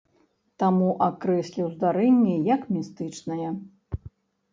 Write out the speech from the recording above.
Таму акрэсліў здарэнне як містычнае.